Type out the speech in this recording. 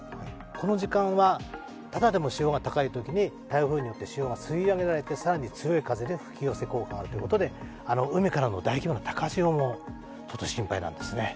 この時間はただでも潮が高いときに台風によって潮が吸い上げられて更に強い力で吹き寄せ効果があるということで海からの大規模な高潮も心配なんですね。